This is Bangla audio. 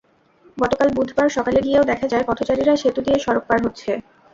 গতকাল বুধবার সকালে গিয়েও দেখা যায়, পথচারীরা সেতু দিয়ে সড়ক পার হচ্ছে।